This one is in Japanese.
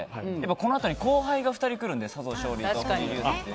このあと後輩が２人来るので佐藤勝利と藤井流星という。